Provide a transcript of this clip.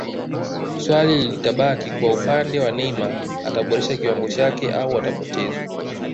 swali litabaki kwa upande wa Neymar ataboresha kiwango chake au atapotezwa